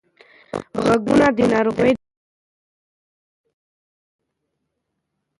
غږونه د ناروغۍ د درملنې یوه لار ښيي.